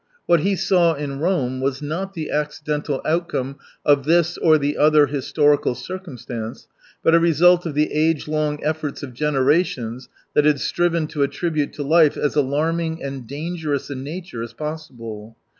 What he saw in Rome was liot the accidental outcome of this or the other historical circumstance, but a result of the age long effort of genera tions that had striven to attribute to life as alarming and dangerous a nature as possible.